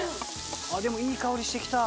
あっでもいい香りして来た。